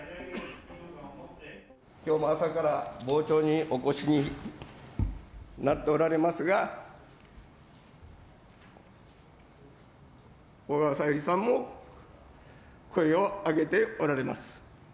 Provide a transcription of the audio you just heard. きょうも朝から傍聴にお越しになっておられますが、小川さゆりさんも、声を上げておられます。